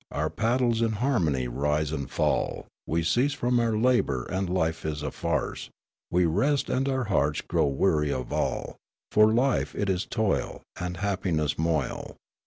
Our paddles in harmony rise and fall ; We cease from our labour, and life is a farce ; We rest, and our hearts grow weary of all. 300 Riallaro For life, it is toil, And happiness moil.